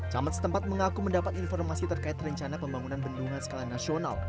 camat setempat mengaku mendapat informasi terkait rencana pembangunan bendungan skala nasional